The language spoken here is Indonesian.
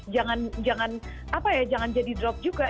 jangan apa ya jangan jadi drop juga